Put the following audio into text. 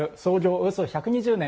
およそ１２０年。